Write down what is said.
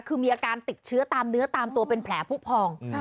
คือมีอาการติดเชื้อตามเนื้อตามตัวเป็นแผลผู้พอง